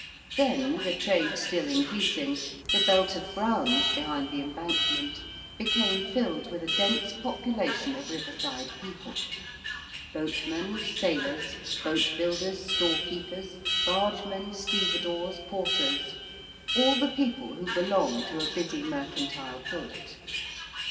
Then, the trade still increasing, the belt of ground behind the embankment became filled with a dense population of riverside people boatmen, sailors, boat builders, store keepers, bargemen, stevedores, porters all the people who belong to a busy mercantile port.